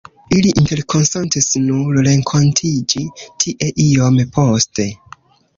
Ili interkonsentis nur renkontiĝi tie iom poste.